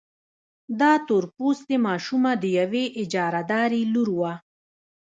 دا تور پوستې ماشومه د يوې اجارهدارې لور وه.